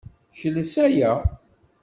Kles aya.